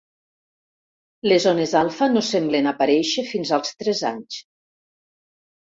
Les ones alfa no semblen aparèixer fins als tres anys.